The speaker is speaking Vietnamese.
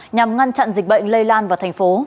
nhằm ngăn chặn dịch bệnh lây lan vào thành phố